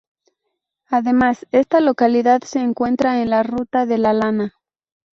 Además, esta localidad se encuentra en la Ruta de la Lana.